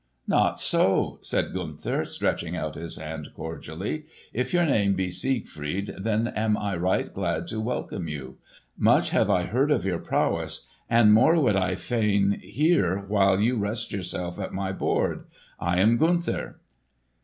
"Not so!" said Gunther, stretching out his hand cordially. "If your name be Siegfried, then am I right glad to welcome you! Much have I heard of your prowess, and more would I fain hear while you rest yourself at my board. I am Gunther."